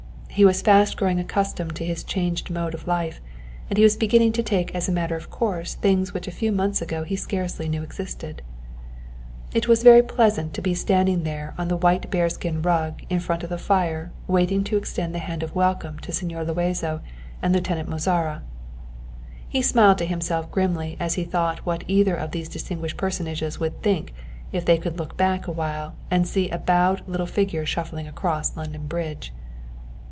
He was fast growing accustomed to his changed mode of life, and he was beginning to take as a matter of course things which a few months ago he scarcely knew existed. It was very pleasant to be standing there on the white bearskin rug in front of the fire waiting to extend the hand of welcome to Señor Luazo and Lieutenant Mozara. He smiled to himself grimly as he thought what either of these distinguished personages would think if they could look back a while and see a bowed little figure shuffling across London Bridge.